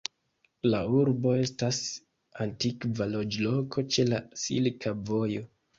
La urbo estas antikva loĝloko ĉe la Silka Vojo.